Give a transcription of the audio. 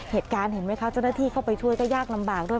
เห็นไหมคะเจ้าหน้าที่เข้าไปช่วยก็ยากลำบากด้วย